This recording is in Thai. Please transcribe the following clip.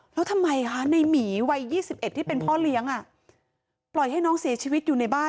แล้วทำไมคะในหมีวัย๒๑ที่เป็นพ่อเลี้ยงปล่อยให้น้องเสียชีวิตอยู่ในบ้าน